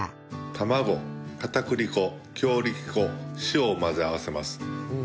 卵片栗粉強力粉塩を混ぜ合わせます。